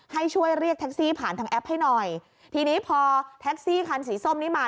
ให้ช่วยเรียกแท็กซี่ผ่านทางแอปให้หน่อยทีนี้พอแท็กซี่คันสีส้มนี้มา